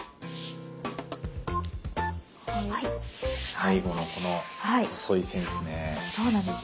最後のこの細い線ですね。